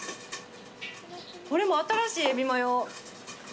これも新しいエビマヨ。